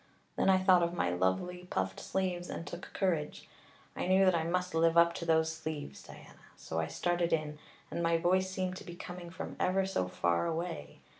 Then I thought of my lovely puffed sleeves and took courage. I knew that I must live up to those sleeves, Diana. So I started in, and my voice seemed to be coming from ever so far away.